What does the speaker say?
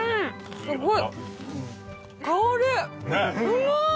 すごい。